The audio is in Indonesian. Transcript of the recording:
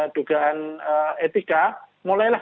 dugaan etika mulailah